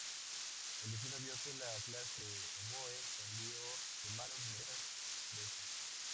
El destino vio que la clase de oboe cambió de manos numerosas veces.